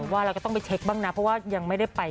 ว่าเราก็ต้องไปเช็คบ้างนะเพราะว่ายังไม่ได้ไป